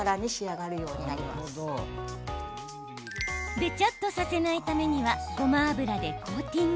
べちゃっとさせないためにはごま油でコーティング。